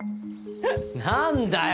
何だよ！